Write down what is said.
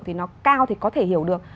thì nó cao thì có thể hiểu được